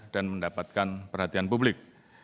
dan mendapatkan perhatian publik